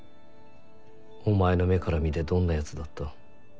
お前の目から見てどんな奴だった？